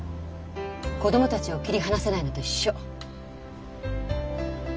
子供たちを切り離せないのと一緒！